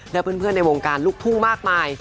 และเพื่อนในวงการลูกทุ่งมากมาย